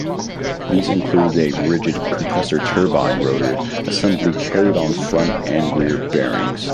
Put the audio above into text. These included a rigid compressor-turbine rotor assembly carried on front and rear bearings.